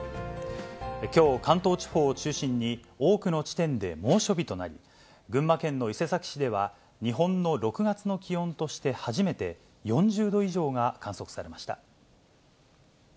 きょう、関東地方を中心に、多くの地点で猛暑日となり、群馬県の伊勢崎市では、日本の６月の気温として初めて、４０度以上が観測されました。